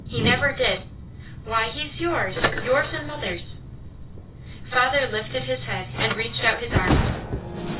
He never did! Why, he's yours! Yours and mother's!" Father lifted his head and reached out his arms.